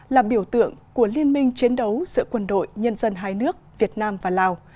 là biểu tượng của liên minh chiến đấu giữa quân đội nhân dân hai nước việt nam và lào